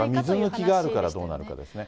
水抜きがあるからどうなるかですよね。